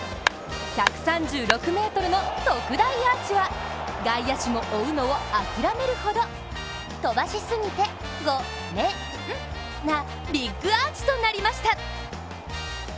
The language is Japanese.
１３６ｍの特大アーチは外野手も追うのを諦めるほど飛ばしすぎてごめんなビッグアーチとなりました。